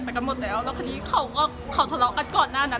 หนูมากัน๕คนค่ะเด็กน้อย๓คนค่ะ